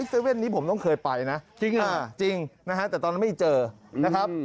สเว่นนี้ผมต้องเคยไปนะจริงนะจริงนะฮะแต่ตอนไม่เจอนะครับ